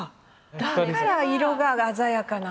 だから色が鮮やかなんですか。